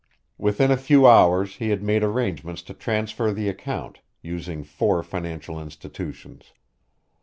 Within a few hours he had made arrangements to transfer the account, using four financial institutions.